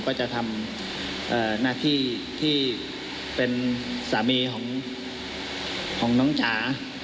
ก็จะทำหน้าที่ที่เป็นสามีของน้องจ๋า